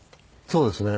そうですね。